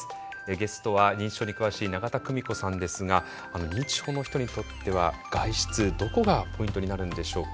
ゲストは認知症に詳しい永田久美子さんですが認知症の人にとっては外出どこがポイントになるんでしょうか？